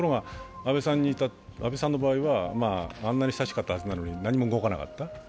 ところが安倍さんの場合はあんなに親しかったはずなのに何も動かなかった。